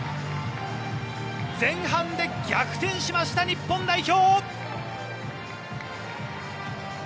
前半で逆転しました日本代表！